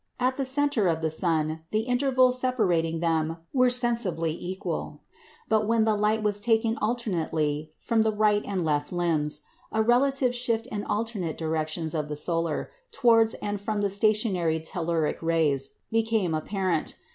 At the centre of the sun the intervals separating them were sensibly equal; but when the light was taken alternately from the right and left limbs, a relative shift in alternate directions of the solar, towards and from the stationary telluric rays became apparent.